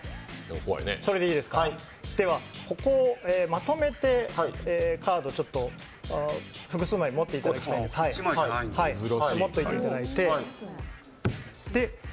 それでいいですか、では、ここをまとめてカードを複数枚持っていただきたいんですが、持っていていただいて。